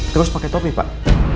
terus pakai topi pak